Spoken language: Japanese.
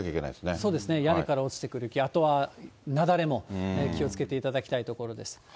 そうですね、屋根から落ちてくる、あとは雪崩も気をつけていただきたいところです。